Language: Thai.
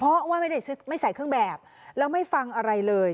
เพราะว่าไม่ได้ไม่ใส่เครื่องแบบแล้วไม่ฟังอะไรเลย